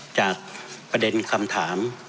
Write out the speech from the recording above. จากประเด็นคำถาม